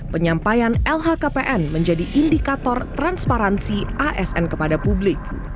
penyampaian lhkpn menjadi indikator transparansi asn kepada publik